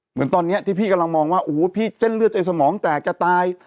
เหมือนตอนนี้ที่พี่กำลังมองว่าโอ้โหพี่เส้นเลือดในสมองแตกจะตาย